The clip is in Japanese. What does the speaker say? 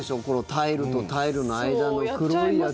タイルとタイルの間の黒いやつ。